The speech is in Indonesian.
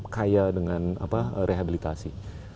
kaya dengan rehabilitasi